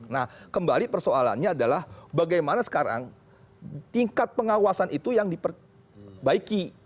nah kembali persoalannya adalah bagaimana sekarang tingkat pengawasan itu yang diperbaiki